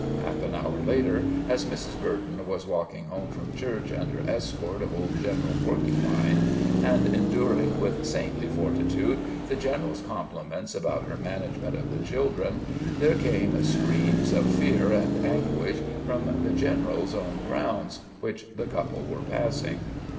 Half an hour later, as Mrs. Burton was walking home from church under escort of old General Porcupine, and enduring with saintly fortitude the general's compliments upon her management of the children, there came screams of fear and anguish from the general's own grounds, which the couple were passing.